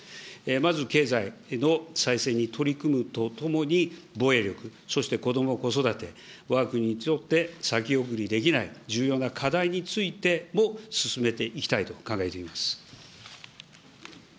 まず経済の再生に取り組むとともに、防衛力、そしてこども・子育て、わが国にとって先送りできない重要な課題についても、進めていきたいと考えています。